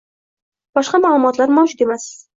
Boshqa ma`lumotlar mavjud emas